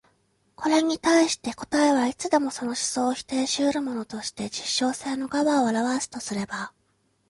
これに対して答えはいつでもその思想を否定し得るものとして実証性の側を現すとすれば、